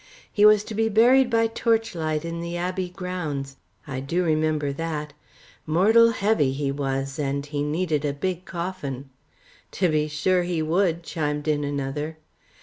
He was to be buried by torchlight in the Abbey Grounds. I do remember that! Mortal heavy he was, and he needed a big coffin." "To be sure he would," chimed in another.